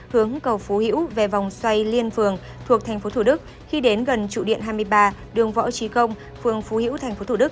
hướng cầu phú hữu về vòng xoay liên phường thuộc tp hcm khi đến gần trụ điện hai mươi ba đường võ trí công phương phú hữu tp hcm